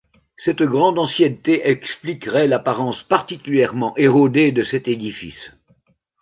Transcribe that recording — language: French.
Cette grande ancienneté expliquerait l'apparence particulièrement érodée de cet édifice.